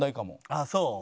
ああそう。